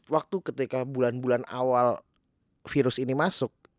waktu ketika bulan bulan awal virus ini masuk